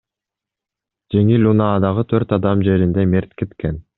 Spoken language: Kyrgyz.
Жеңил унаадагы төрт адам жеринде мерт кеткен.